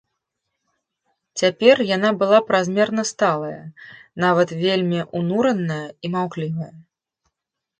Цяпер яна была празмерна сталая, нават вельмі ўнураная і маўклівая.